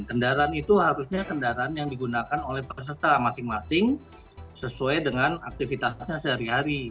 kendaraan itu harusnya kendaraan yang digunakan oleh peserta masing masing sesuai dengan aktivitasnya sehari hari